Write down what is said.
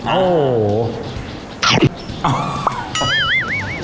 โอ้โห